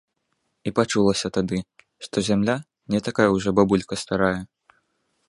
І пачулася тады, што зямля не такая ўжо бабулька старая.